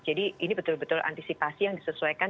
jadi ini betul betul antisipasi yang disesuaikan